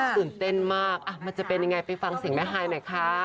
ตื่นเต้นมากมันจะเป็นยังไงไปฟังเสียงแม่ฮายหน่อยค่ะ